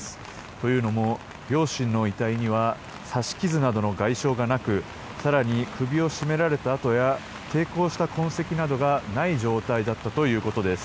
というのも、両親の遺体には刺し傷などの外傷がなく更に首を絞められた痕や抵抗した痕跡などがない状態だったということです。